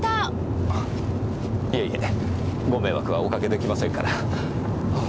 あいえいえご迷惑はおかけできませんから。